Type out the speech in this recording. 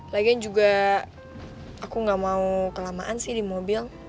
lagian juga aku gak mau kelamaan sih di mobil